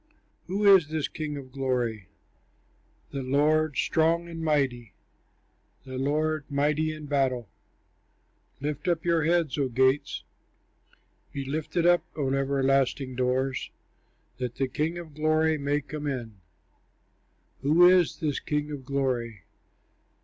Who is this King of Glory? The Lord, strong and mighty, The Lord, mighty in battle! Lift up your heads, O gates, Be lifted up, O everlasting doors, That the King of Glory may come in. Who is this King of Glory?